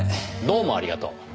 どうもありがとう。